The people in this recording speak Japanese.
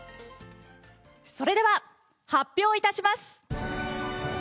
それでは、発表いたします。